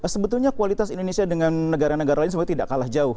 sebetulnya kualitas indonesia dengan negara negara lain sebenarnya tidak kalah jauh